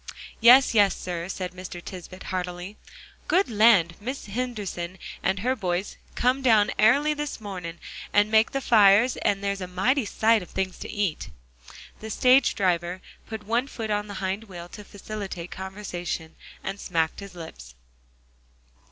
"Yes, yes, sir," said Mr. Tisbett heartily. "Good land! Mis' Henderson had her boys come down airly this mornin' and make the fires; and there's a mighty sight of things to eat." The stage driver put one foot on the hind wheel to facilitate conversation, and smacked his lips.